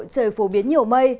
trời phổ biến nhiều mây